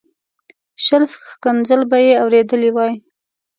شل ښکنځل به یې اورېدلي وای.